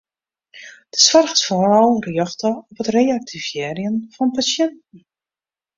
De soarch is foaral rjochte op it reaktivearjen fan pasjinten.